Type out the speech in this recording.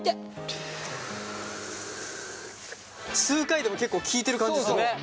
数回でも結構効いてる感じする。